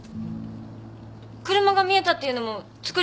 車が見えたっていうのも作り話？